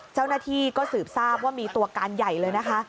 เจ้าหน้าที่ก็สืบทราบว่ามีตัวการใหญ่เลยนะคะ